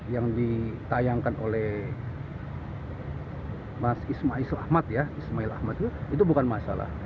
yang ditayangkan oleh mas ismail ahmad itu bukan masalah